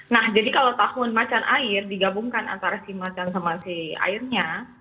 nah jadi kalau tahun macan air digabungkan antara si macan sama si airnya